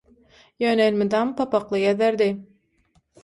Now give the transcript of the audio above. ýöne elmydam papakly gezerdi.